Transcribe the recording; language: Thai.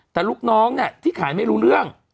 แต่ลูกน้องที่ขายไม่รู้เรื่อง